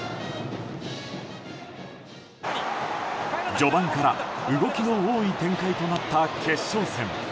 序盤から動きの多い展開となった決勝戦。